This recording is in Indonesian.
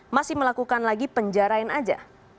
masih melakukan lagi penjarain aja